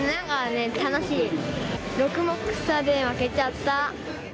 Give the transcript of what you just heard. ６目差で負けちゃった。